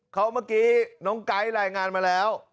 เขาเมื่อกี้น้องไก๊รายงานมาแล้ว